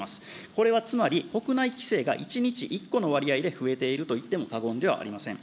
これはつまり、国内規制が１日１個の割合で増えていると言っても過言ではありません。